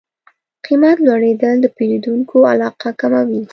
قیمت لوړېدل د پیرودونکو علاقه کموي.